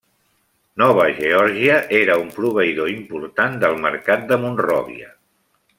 Nova Geòrgia era un proveïdor important del mercat de Monròvia.